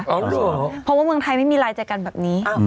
เพราะว่าเมืองไทยไม่มีลายแจกันแบบนี้